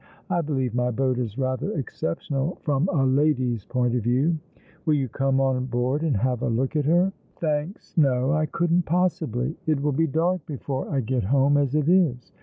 I believe my boat is rather exceptional, from a lady's point of view. Will you come on board and have a look at her ?"" Thanks, no ; I couldn't possibly. It will be dark before I get home as it is."